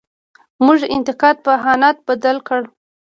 موږ انتقاد په اهانت بدل کړو.